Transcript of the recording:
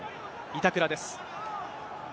板倉です。